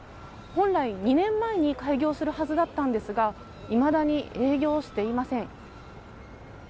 本来、２年前に開業するはずだったんですがいまだに営業していません。